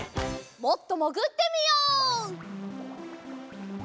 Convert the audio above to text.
もっともぐってみよう。